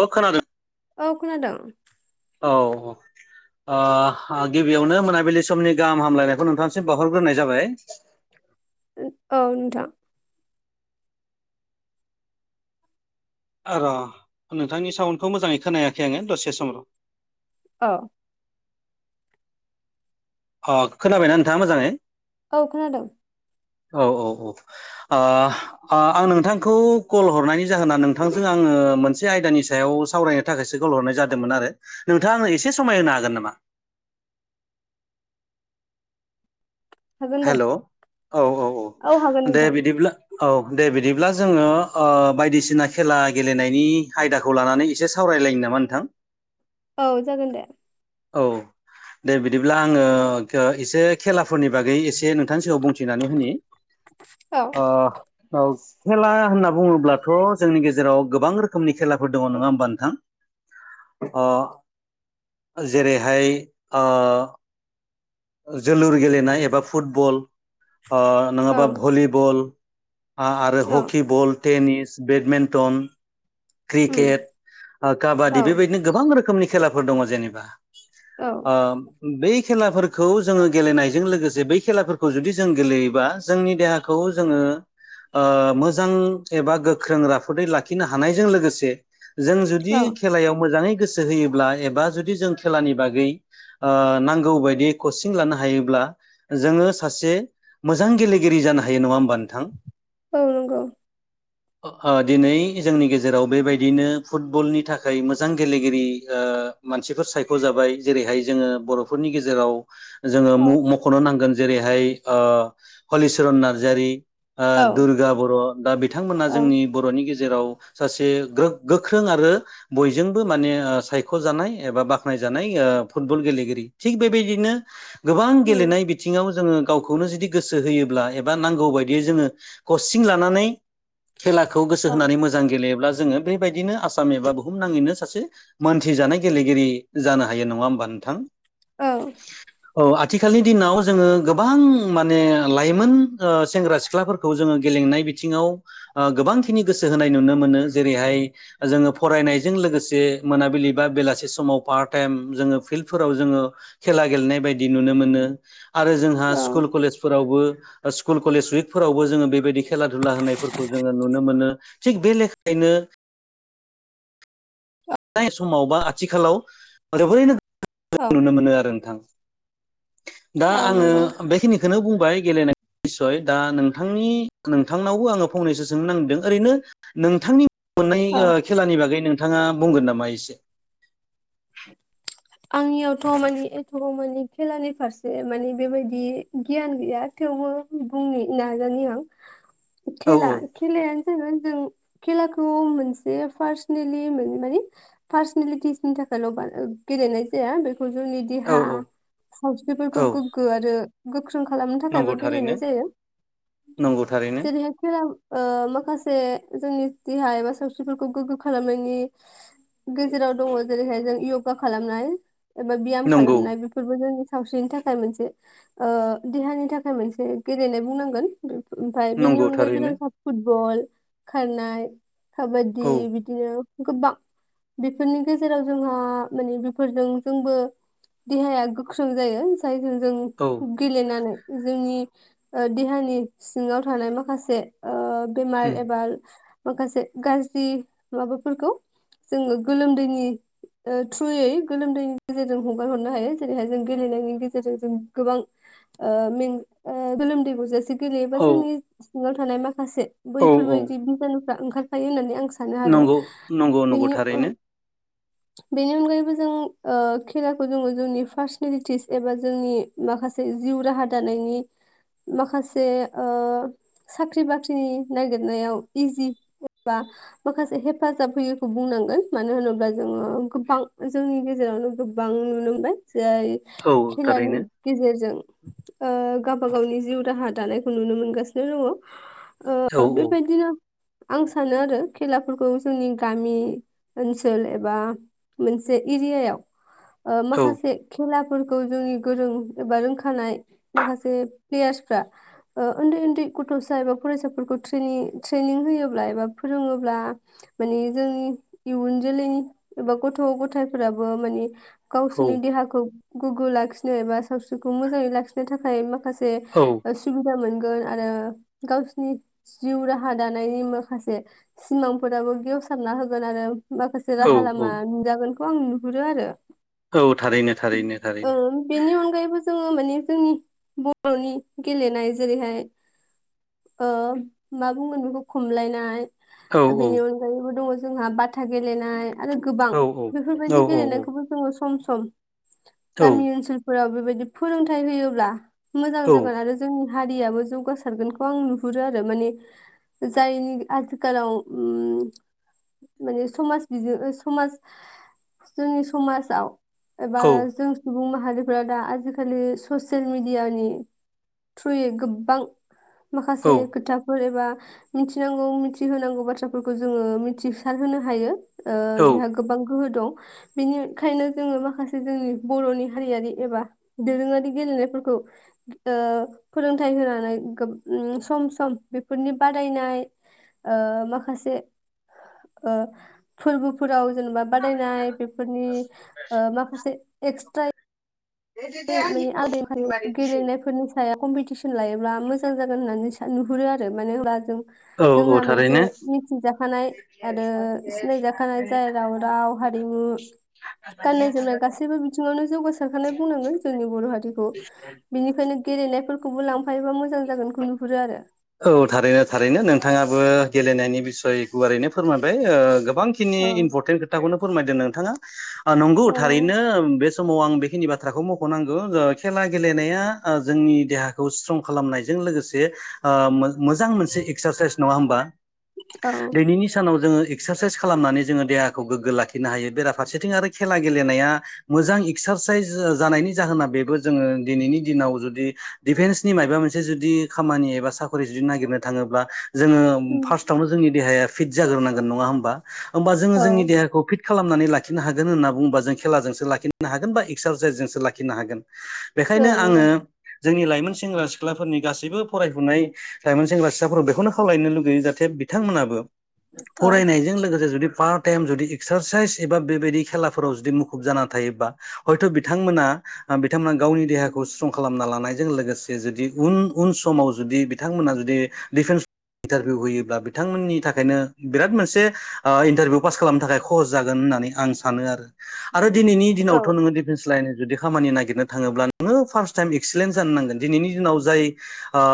औ खानादो औ खोनादों औ ओ गिबियावनो मोनाबिलि समनि गाहाम हामलायनायखौ नोंथांसिम बावहरग्रोनाय जाबाय औ नोथां र' नोंथांनि साउन्डखौ मोजाङै खोनायाखै आङो दसे सम र' ओ अ खोनाबायना नोंथाङा मोजाङै औ खोनादों औ औ औ ओ ओ आं नोंथांखौ कल हरनायनि जाहोना नोंथांजों आं ङो मोनसे आयदानि सायाव सावरायनो थाखायसो कलहरनाय जादोमोन आरो नोंथाङा आङो एसे समाय होनो हागोन नामा [inaudible] हागोन दे हेलौ औ औ औ हागोन दे नोंथां बिदिब्ला औ दे बिदिब्ला जोङो ओ बायदिसिना खेला गेलेनायनि आयदाखौ लानानै एसे सावरायलायनि नामा नोंथां औ जागोन दे औ दे बिदिब्ला आङो इसे खेलाफोरनि बागै इसे नों थांनि सिगाव बुंथिनानै होनि औ ओ औ खेला होनना बुङोब्लाथ' जोंनि गेजेराव गोबां रोखोमनि खेलाफोर दङ नङा होमबा नोंथां अ जेरैहाय ओ जोलुर गेलेनाय एबा फुटबल ओ औ नङाबा भलिबल आरो औ हकिबल टेनिस बेडमेन्टन उम क्रिकेट ओ औ काबादि बेबायदिनो गोबां रोखोमनि खेलाफोर दङ जेनेबा औ आ बै खेलाफोर खौ जोङो गेलेनायजों लोगोसे बै खेलाफोरखौ जुदि जों गेलेयोबा जोंनि देहाखौ जोङो ओ मोजां एबा गोख्रों राफोदै लाखिनो हानायजों लोगोसे जों जुदि औ खेलायाव मोजाङै गोसो होयोब्ला एबा जुदि जों खेलानि बागै ओ नांगौ बायदि। कचिं लानो हायोब्ला जोङो सासे मोजां गेलेगिरि जानो हायो नङा होमबा। नोंथां? औ नोंगौ। ओ दिनै जोंनि गेजेराव बेबायदिनो फुटबलनि थाखाय मोजां गेलेगिरि ओ। मानसिफोर सायख' जाबाय जेरैहाय जोङो बर'फोरनि गेजेराव जोङो औ मु-मख'नो नांगोन जेरैहाय ओ हलिचरन नार्जारि ओ औ दुर्गा बर' दा बिथांमोना औ जोंनि बर'नि गे जेराव सासे ग्रो-गोख्रों आरो बयजोंबो माने ओ सायख'जानाय एबा बाख्नाय जानाय ओ फुटबल गेलेगिरि थिग बेबायदिनो गोबां उम गेलेनाय बिथिङाव जोङो गावखौनो जुदि गोसो होयोब्ला एबा नांगौ बायदियै जोङो कचिं लानानै खेलाखौ गोसो औ होनानै मोजां गेलेयोब्ला जोङो बेबायदिनो आसाम एबा बुहुम नाङैनो सासे मोनथिजानाय गेलेगिरि जानो हायो नङा होमबा नोंथां औ [inaudible] औ आथिखालनि दिनाव जोङो गोबां माने लाइमोन ओ सेंग्रा सिख्लाफोरखौ जोङो गे लेंनाय बिथिङाव ओ गोबांखिनि गोसो होनाय नुनो मोनो जेरैहाय जोङो फरायनायजों लो गोसे मोनाबिलि बा बेलासे समाव पार्ट टाइम जोङो फिल्डफोराव जोङो खेला गेलेनाय बाय दि नुनो मोनो आरो जोंहा औ स्कुल कलेजफोरावबो स्कुल कलेज उइकफोरावबो जोङो बेबायदि खेला धुला होनायफोरखौ जोङो नुनो मोनो थिग बे लेखायैनो। [inaudible] फ्राय समाव बा आथिखालाव [unintelligible] औ नुनो मोनो आरो नोंथां दा औ आङो नंगौ बेखिनिखौनो बुंबाय गेलेनाय निसय दा नोंथांनि नोंथांनावबो आङो फंनैसो सोंनो नांदों ओरैनो नोंथांनि मोननाय औ ओ खेलानि बागै नोंथाङा बुंगोन नामा एसे आंनियावथ' माने एथ' माने खेलानि फारसे माने बेबायदि गियान गैया थेवबो बुंनि नाजानि आं औ खेला औ खेलायानो जागोन जों खेलाखौ मोनसे फारसनेलि मो-माने पार्सनेलिटिसनि थाखाय ल' बा-गेलेनाय जाया बेखौ जोंनि औ देहा औ सावस्रिफोरखौ गोग्गो आरो ख्रों खालामनो नंगौ थाखायबो थारैनो गेलेनाय जायो नंगौ थारैनो जेरैहाय खेला ओ माखासे जोंनि देहा एबा सावस्रिफोरखौ गोग्गो खालामनायनि गेजेराव दङ। जेरैहाय जों योगा खालामनाय एबा बियाम नंगौ खालामनाय बेफोरबो जोंनि सावस्रिनि थाखाय मोनसे ओ देहानि थाखाय मोनसे गेलेनाय बुंनांगोन। ओमफाय बेनि नंगौ अनगायैबो थारैनो जोंहा फुटबल खारनाय खाबादि औ बिदिनो गोबा बेफोरनि गेजेराव जोंहा माने बेफोरजों जोंबो देहाया गोख्रों जायो जाय औ जों गेलेनानै जोंनि ओ देहानि सिङाव थानाय माखासे ओ बेमार उम एबा माखासे गाज्रि माबाफोरखौ जोङो गोलोमदैनि ओ थ्रुयै गोलोमदैनि गेजेरजों हगार हरनो हायो जेरैहाय जों गेलेनायनि गेजेरजों जों गोबां ओ मिं ओ गोलोमदै गजासे गेलेयोबा औ जोंनि सिङाव थानाय माखासे औ औ बैफोरबायदि बिजानुफ्रा ओंखारफायो होननानै आं सानो आरो नंगौ नंगौ नंगौ बेनि अन थारैनो बेनि अनगायैबो जों ओ खेलाखो जोङो जोंनि पार्सनेलिटिस एबा जोंनि माखासे जि जिउ राहा दानायनि माखासे ओ साख्रि बाख्रिनि नागिरनायाव इजि बा माखासे हेफाजाब होयोखौ बुंनांगोन मानो होनोब्ला ओ गोबां जोंनि गेजेरावनो गोबबां नुनो मोनबाय। जाय औ खेलानि थारैनो गेजेरजों ओ गावबागावनि जिउ राहा दानायखौ नुनो मोनगासिनो दङ औ ओ बेबायदिनो आं सानो आरो खेलाफोरखौ जोंनि गामि ओनसोल ए बा मोनसे एरियायाव ओ औ माखासे खेला फोरखौ जोंनि गोरों एबा रोंखानाय माखासे प्लेयार्सफ्रा ओ उन्दै उन्दै गथ'सा एबा फरायसाफोरखौ ट्रेनि ट्रेनिं होयोब्ला एबा फोरोङोब्ला माने जोंनि इयुन जोलैनि एबा गथ' गथायाइफोराबो माने गावसोरनि देहाखौ गोग्गो लाखिनो एबा सावस्रिखौ मोजाङै लाखिनो थाखाय माखासे औ सुबिदा मोन गोन आरो गावसोरनि जिउ राहा दानायनि माखासे सिमांफोराबो गेव सारना होगोन आरो माखासे औ राहा लामा औ नोजागोनखौ आं नुहरो आरो औ थारैनो थारैनो थारैनो ओं बेनि अनगायैबो जोङो माने जोंनि बर'नि गेलेनाय जेरैहाय ओ मा बुंगोन बेखौ खमलायनाय औ औ बेनि अनगायैबो दङ जोंहा बाथा गेलेनाय आरो गोबां औ बेफोरबायदि औ औ औ गेलेनायखौबो जोङो सम सम औ गामि ओनसोलफोरा बे बायदि फोरोंथाय होयोब्ला मोजां औ जोगोन आरो जोंनि हारियाबो जौगासारगोनखौ आं नुहरो आरो माने जायनि आथिखालाव उम माने समाज बिजो समाज जोंनि समाजाव एबा औ जों सुबुं मा हारिफ्रा दा आजिखालि ससियेल मिडियानि थ्रुयै गोबबां औ माखासे खोथाफोर एबा मिथिनांगौ मिथिहोनांगौ बाथ्राफोरखौ जोङो मिथिसार होनो हायो। ओ औ बेहा गोबां गोहो दं। बिनिखायनो जोङो माखासे जोंनि बर'नि हारियारि एबा दोरोङारि गेलेनायफोरखौ ओ फोरोंथायाइ होनानै गो सम सम बेफोरनि बादायनाय ओ माखासे ओ फोरबोफोराव जेनेबा बादायनाय बेफोरनि ओ माखासे एक्सट्रा बे माने [inaudible] गेलेनायफोरनि साया कम्पिटिसन लायोब्ला मोजां जागोन होननानै सा नुहुरो आरो मानो होनबा जों औ औ जोंहा मोनसे थारैनो मिथिजाखानाय आरो सिनायजाखानाय जाय राव राव हा हारिमु गाननाय जोमनाय गासैबो बिथिङावनो जौगासारखानाय बुंनांगोन। जोंनि बर' हारिखौ बिनिखायनो गेलेनायफोरखौबो लांफायोबा मोजां जागोनखौ नुहुरो आरो औ थारैनो थारैनो नोंथाङाबो गेलेनायनि बिसय गुवारैनो फोरमायबाय ओ गो बांखिनि औ इमपरटेन्ट खोथखौ फोरमायदों नों थांङा ओ‌ नंगौ औ थारैनो बे समाव आं बेखिनि बाथ्राखौ मख'नांगौ खेला गेलेनाया ओ जोंनि देहाखौ स्ट्रं खालामनायजों लोगोसे ओ मोजां मोनसे एक्सारसाइस नङा होमबा औ दिनैनि सानाव जोङो एक्सारसाइस खालामनानै जोङो देहाखौ गोग्गो लाखिनो हायो बेराफारसेथिं आरो खेला गेलेनाया मोजां एक्सार एक्सारसाइस जानायनि जाहोना बेबो जोङो दिनैनि दिनाव जुदि डिफेन्सनि मायबा मोनसे जुदि खामानि एबा साख्रि जुदि नागिर थाङोब्ला जोङो उम फार्स्टआवनो जोंनि देहाया फिट जाग्रोनांगोन नङा होमबा? होमबा जोङो औ जोंनि देहाखौ फिट खालामनानै लाखिनो हागोन होनना बुङोबा जों खेलाजोंसो लाखिनो हागोन बा एक्सारसाइसजोंसो लाखिनो हागोन। बेखायनो औ नंगौ आङो जोंनि लाइमोन सेंग्रा सिख्लाफोरनि गासैबो फरायफुनाय लाइमोन सेंग्रा सि [unintelligible] बेखौनो खावलायनो लुगैयो जाहाथे बिथांमोनाबो औ फरायनायजों लोगोसे जुदि पार्ट टाइम जुदि एक्सारसाइस एबा बेबायदि खेलाफोराव जुदि मुखुब जाना थायोबा हयथ' बिथांमोना बिथांमोना गावनि देहाखौ स्ट्रं खालामना लानायजों लोगोसे जुदि उन उन समाव जुदि बिथां मोना जुदि डिफेन्स इन्टारभिउ होयोब्ला बिथांमोननि थाखायनो बिराद मोनसे ओ इन्टारभिउ पास खालामनो थाखाय खहस जागोन। होननानै आं सानो आरो, आरो दिनैनि औ दिनावथ' नोङो डिफेन्स लाइन जुदि खामानि नागिरनो थाङोब्ला नोङो फार्स्ट टाइम एक्सिलेन्ट जानो नांगोन दिनैनि दिनाव जाय ओ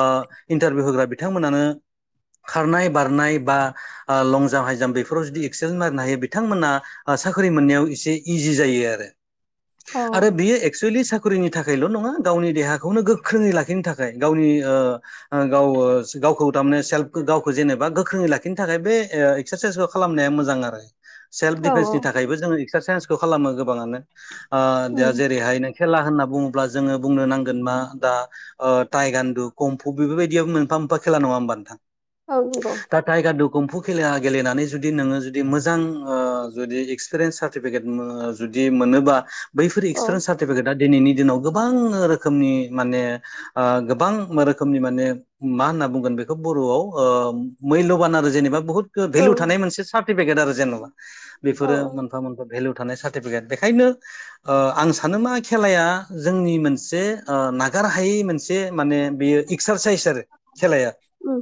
इन्टारभिउ होग्रा बिथांमोनानो खारनाय बारनाय बा लं जाम्प हाइ जाम्प बेफोराव जुदि एक्सेलेन्ट मारिनो हायो बिथांमोना साख्रि मोननायाव एसे इजि जायो आरो औ आरो बियो एकसुलि सा ख्रिनि थाखायल' नङा गावनि देहाखौनो गोख्रोङै लाखिनो थाखाय गावनि ओ गाव ओ गावखौ थारमाने सेल्फ गावखौ जेनेबा गोख्रोङै लाखिनो थाखाय बे एक्सारसाइसखौ खालामनाया मोजां आरो। सेल्फ औ डिफेन्सनि थाखायबो जोङो एक्सारसाइसखौ खालामो गोबाङानो। ओ दा उम जेरैहाय नों खेला होनना बुंङोब्ला जोंङो बुंनो नांगोन मा दा ओ टाइ गान्दु कमभु बेफोर बादियाबो मोनफा मोनफा खेला नङा होमबा नोंथां? औ नंगौ। कमफु खेला गेलेनानै जुदि नोङो जुदि मोजां ओ जुदि एक्सपिरियेन्स सार्टिफिकेट ओ जुदि जि मोनोबा बैफोर औ एक्सट्रा सार्टिफिकेटआ दिनैनि दिनाव गोबां रोखोमनि माने ओ गोबां रोखोमनि माने मा होनना बुंगोन बेखौ बर'आव ओ मैल्यबान आरो जेनेबा बुहुत औ भेलु थानाय मोनसे साब सार्टिफिकेट जेनेबा औ बेफोरो मोनफा मोनफा भेलु थानाय सारटिफिकेट बेखायनो ओ आं सानो मा खेलाया जोंनि मोनसे ओ ना गार हायै मोनसे माने बेयो एक्सारसाइस आरो खेलाया उम।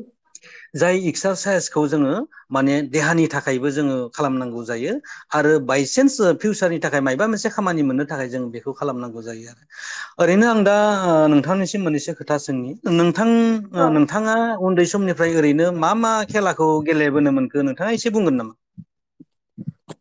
जाय एक्सारसाइसखौ जोङो माने देहानि थाखायबो जोङो खालामनांगौ जायो आरो बायसान्स फिउचारनि थाखाय मायबा मोनसे खामानि मोननो थाखाय जों बेखौ खालामनांगौ जायो आरो ओरैनो आं दा ओ नोंथांनिसिम मोननैसो खोथा सोंनि नोंथां ओ औ नोंथाङा उन्दै समनिफ्राय ओरैनो मा मा खेलाखौ गेलेबोनो मोनखो नोंथाङा एसे बुंगोन नामा? [unintelligible]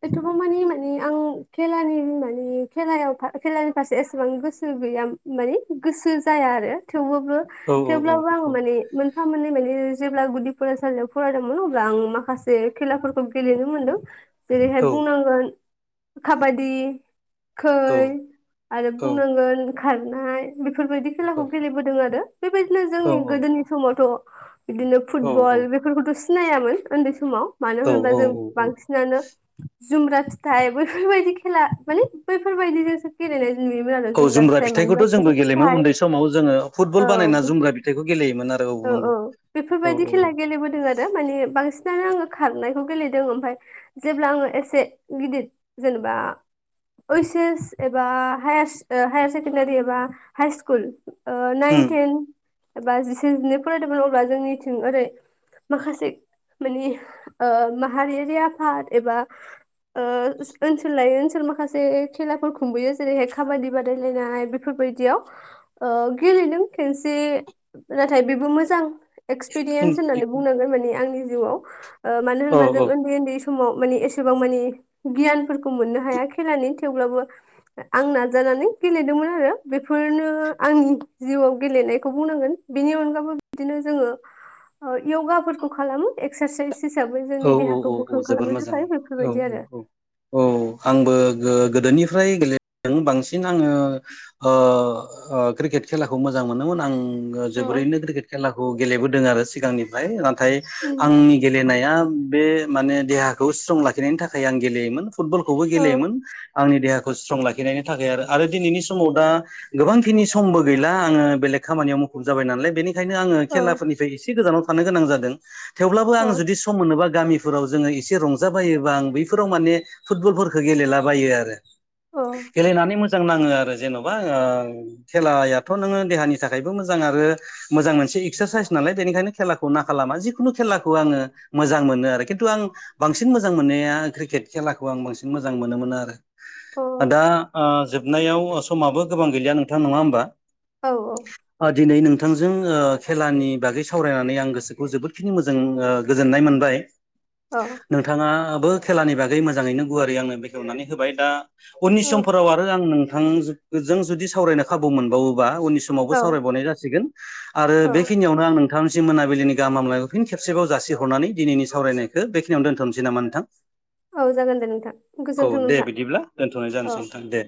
एथ'बां मानि मानि आं खेलानि मानि खेलायाव खेलानि फारसे एसेबां गोसो गैया। माने गोसो जाया आरो थेवबोबो औ औ औ थेवब्लाबो आं माने मोनफा मोननै माने जेब्ला गुदि फरायसालियाव फरायदोंमोन अब्ला आं माखासे खेलाफोरखौ गेलेनो मोनदों। जेरैहाय बुंनांगोन काबादि। खै आरो बुंनांगोन खारनाय बेफोरबायदि खेलाखौ औ-औ-औ-औ-औ-औ-औ-औ-औ-औ गेलेबोदों आरो। बेबायदिनो जोंनि गोदोनि समावथ'। बिदिनो फुटबल बेफोरखौथ' सिनायामोन उन्दै समाव मानो होनोबा जों बांसिन जुमब्रा फिथाइ बैफोरबायदि खेला माने बैफोरबायदि जोंसो गेलेनाय। नुयोमोन आरो जुमब्रा फिथाइ फिथाइखौथ' [unintelligible] जोंबो गेलेयोमोन फिथाइ उन्दै समाव जोङो फुटबल औ। बानायना जुमब्रा फिथाइखौ गेलेयोमोन आरो औ नंगौ। औ औ औ बेफोरबायदि औ खेला गेलेबोदों आरो मानानि बांसिन। आङो खारनायखौ गेलेदों ओमफ्राय जेब्ला आङो एसे गिदिर जेनेबा इस एस एबा ह हायार सेकेण्डारि एबा हाइ सकुल नाइन उम टेन एबा जिसे जिनै फरायदोंमोन अब्ला जोंनिथिं ओरै। माखासे मानि माहारियारि आफाद एबा ओ ओनसोल लायै ओनसोल माखासे खेलाफोर खुंबोयो जेरैहाय काबादि बादायलायनाय। बेफोरबायदियाव ओ गेलेदों खेनसे नाथाय बेबो मोजां। उम एक्सपिरियेन्स होननानै बुंनांगोन मानिे आंनि जिउआव मानो औ होनोबा जों उन्दै उन्दै। समाव म एसेबां मान गियानफोरखौ मोननो हाया खेलानि थेवब्लाबो आं न नानै गेलेदोंमोन आरो बेफोरनो आंनि जिउआव गेलेनायखौ बुंनांगोन। बेनि अनगाबबो बिदिनो जोङो य'गाफोरखौ खालामो एक्सारसाइस। हिसाबै औ जोंनि औ देहाखौ औ औ गोख्रों जोबोर खालामनो मोजां थाखाय औ बेफोरबायदि औ औ आरो औ आंबो। गोदोनिफ्राय गेलेदों बांसिन आङो क्रिकेट खेलाखौ मोजां मोनोम। नां। आङो जोबोरैनो क्रिकेट खेलाखौ गेलेबोदों आरो सिगांनिफ्राय नाथाय आंनि गेलेनाया। बे माने देहाखौ स्ट्रं लाखिनायनि थाखाय आं गेलेयोमोन फुटबलखौबो गेलेयोमोन। आंनि देहाखौ स्ट्रं लाखिनायनि थाखाय आरो दिनैनि समाव दा गोबांखिनि समबो गैला आङो बेलेग। खामानियाव मुुखुब जाबाय नालाय बेनि बेनिंखनो आङो खेलाफोरनिफ्राय एसे गोजानाव थानो गोनां जादों थेवबो जु मोनोबा गामिफोराव जोङो एसे रंजा बायोबा आं बैफोराव माने फुटबलफोरखौ गेलेलाबायो आरो गेलेनानै मोजां। मोजां नाङो आरो जेन'बा खेलायाथ' नोङो देहानि थाखायबो मोजां आरो मोजां मोनसे एसे एक्सारसाइस नालाय बेनिखायनो खेलाखौ ना खालामा जिखुनु खेलाखौ आङो मोजां मोनो आरो खिन्थु आं बांसिन मोजां मोननाया क्रिकेट खेलाखौ आं बांसिन मोजां मोनोमोनो आरो दा जोबनायाव समाबो गोबां गैलिया नोंथां नङा होमबा औ औ दिनै नोंथांजों खेलानि बागै सावरायनानै आं गोसोखौ जोबोदखिनि मोजां गोजोननाय मोनबाय औ नोंथाङाबो। खेलानि बागै मोजाङैनो गुवारै आंनो बेखेवनानै होबाय दा उननि औ समफोराव आरो आं बिथां जों जुदि सावरायनो खाबु मोनबावोबा उ समावबो औ सावरायबावनाय जासिगोन आरो औ बेखिनियावनो आं नों मोनथामसि मोनाबिलिनि गामायखौ फन खबसेबाव जासि हो हरनानै दिनैनि सावरायनायखौ बेखिनियाव दोनथ'नोसै नामा नोंथां औ जागोन दे नोंथां औ गोजोन्थों दे नोंथां बिदिब्ला दोनथ'नाय औ जानोसै नोंथां दे